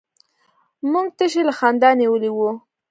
موږ تشي له خندا نيولي وو.